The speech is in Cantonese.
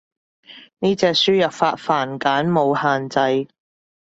呢隻輸入法繁簡冇限制